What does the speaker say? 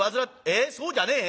そうじゃねえ？